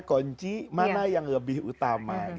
kunci mana yang lebih utama